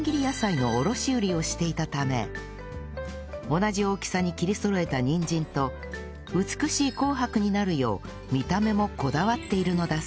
同じ大きさに切りそろえたにんじんと美しい紅白になるよう見た目もこだわっているのだそう